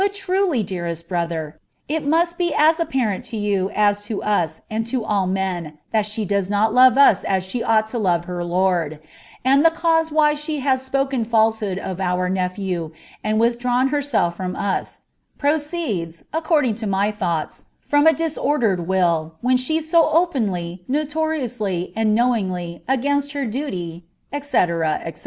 truly, dearest brother, it must be as apparent to jrou as to us and to all imt she does not love us as she ought to love her lord ; and the cause why I spoken falsehood of our nephew, and withdrawn herself IVom us, pro leoording to my thoughts, from a disordered will, when she so openly, asly, and knowingly, against her duty," Slc. Slc.